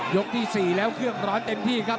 ที่๔แล้วเครื่องร้อนเต็มที่ครับ